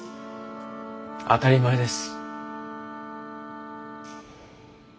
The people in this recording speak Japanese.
当たり前です。